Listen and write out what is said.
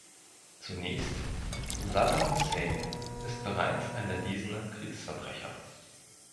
Zunächst, Saddam Hussein ist bereits ein erwiesener Kriegsverbrecher.